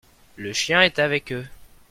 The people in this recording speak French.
Le chien est avec eux.